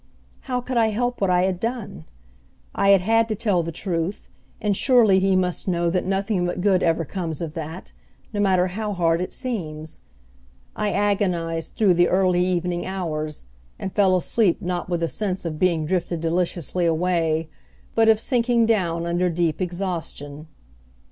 How could I help what I had done? I had had to tell the truth, and surely he must know that nothing but good ever comes of that, no matter how hard it seems. I agonized through the early evening hours, and fell asleep not with a sense of being drifted deliciously away, but of sinking down under deep exhaustion.